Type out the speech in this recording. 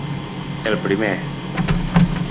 El primer.